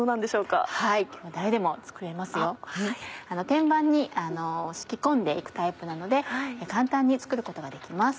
天板に敷き込んで行くタイプなので簡単に作ることができます。